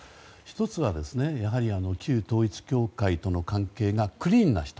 １つは、旧統一教会との関係がクリーンな人。